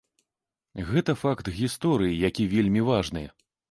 Гэта факт гісторыі, які вельмі важны.